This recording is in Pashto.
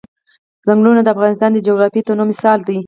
چنګلونه د افغانستان د جغرافیوي تنوع مثال دی.